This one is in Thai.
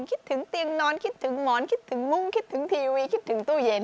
คิดถึงเตียงนอนคิดถึงหมอนคิดถึงมุ้งคิดถึงทีวีคิดถึงตู้เย็น